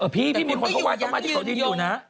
พี่พี่มีคนเขาไหว้ต้นไม้ที่เขาดินอยู่นะ